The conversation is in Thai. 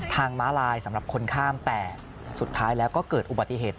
ม้าลายสำหรับคนข้ามแต่สุดท้ายแล้วก็เกิดอุบัติเหตุ